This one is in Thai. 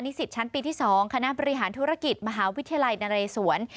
ศิษย์ชั้นปีที่๒คณะบริหารธุรกิจมหาวิทยาลัยนเรศวร